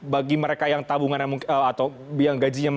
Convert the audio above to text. bagi mereka yang tabungan atau yang gajinya